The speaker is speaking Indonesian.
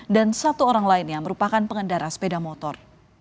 dan satu orang lainnya merupakan pengendara sepeda motor